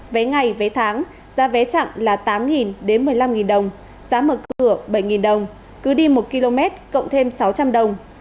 vé ngày vé tháng giá vé chặn là tám đến một mươi năm đồng giá mở cửa bảy đồng cứ đi một km cộng thêm sáu trăm linh đồng